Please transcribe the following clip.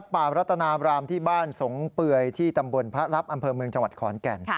ป่ารัตนาบรามที่บ้านสงเปื่อยที่ตำบลพระรับอำเภอเมืองจังหวัดขอนแก่น